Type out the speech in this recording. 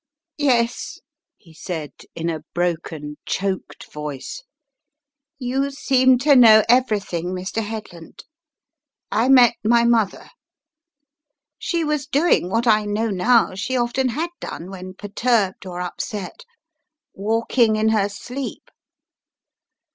"Yes," he said in a broken, choked voice, "you seem to know everything, Mr. Headland. I met my mother. She was doing what I know now she often had done, when perturbed or upset — walking in her sleep.